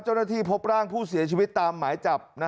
เจ้าหน้าที่พบร่างผู้เสียชีวิตตามหมายจับ